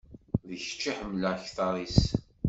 D kečč i ḥemmleɣ kteṛ-is.